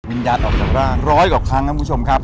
วิญญาณออกจากร่างร้อยกว่าครั้งครับคุณผู้ชมครับ